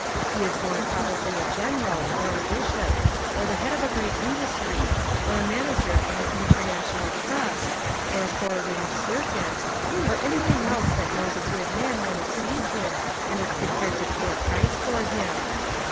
He is more probably a general, or a bishop, or the head of a great industry or the manager of an international trust or a four ringed circus, or anything else that knows a good man when It sees him and Is prepared to pay a price for him.